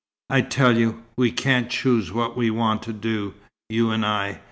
"I tell you, we can't choose what we want to do, you and I.